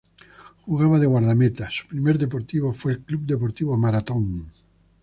Jugaba de guardameta, su primer equipo fue el Club Deportivo Marathón.